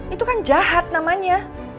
itu kan jahat namanya